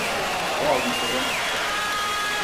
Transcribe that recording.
O almış olamaz.